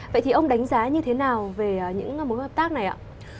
vậy thì ông đánh giá như thế nào về những mối hợp tác này ạ